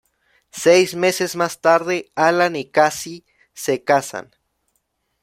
Seis meses más tarde, Alan y Cassie se casan.